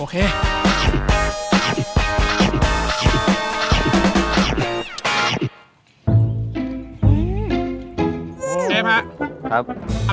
เชฟฮะอะไรอ่ะครับ